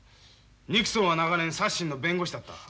ニクソンは長年サッシンの弁護士だった。